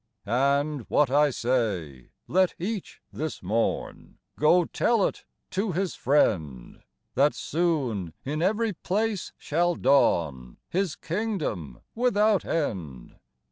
And, what I say, let each this morn Go tell it to his friend, That soon in every place shall dawn His kingdom without end.